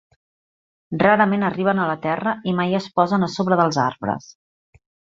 Rarament arriben a la terra i mai es posen a sobre dels arbres.